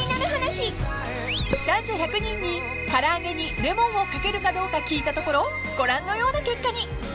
［男女１００人に唐揚げにレモンをかけるかどうか聞いたところご覧のような結果に］